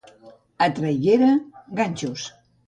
A Traiguera, ganxos.